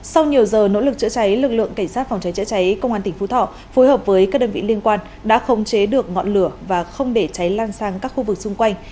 sau nhiều giờ nỗ lực chữa cháy lực lượng cảnh sát phòng cháy chữa cháy công an tỉnh phú thọ phối hợp với các đơn vị liên quan đã khống chế được ngọn lửa và không để cháy lan sang các khu vực xung quanh